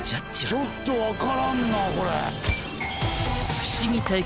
ちょっとわからんなこれ。